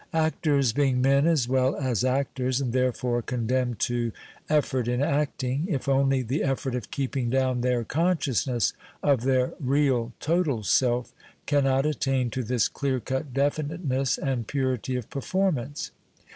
Actors, being men as well as actors, and therefore condenuied to effort in acting, if only the effort of keeping down tiuir consciousness of their real, total self, cannot attain to this clear cut definiteness and purity of performance.